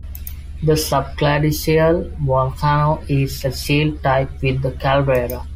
The subglacial volcano is a shield type with caldera.